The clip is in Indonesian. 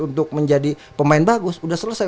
untuk menjadi pemain bagus udah selesai